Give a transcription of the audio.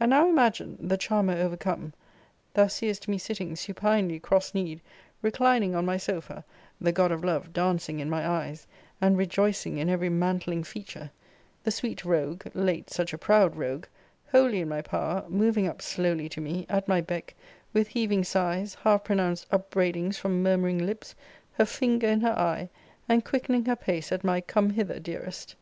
And now imagine (the charmer overcome) thou seest me sitting supinely cross kneed, reclining on my sofa, the god of love dancing in my eyes, and rejoicing in every mantling feature; the sweet rogue, late such a proud rogue, wholly in my power, moving up slowly to me, at my beck, with heaving sighs, half pronounced upbraidings from murmuring lips, her finger in her eye, and quickening her pace at my Come hither, dearest!